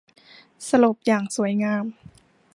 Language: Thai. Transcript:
สลบอย่างสวยงาม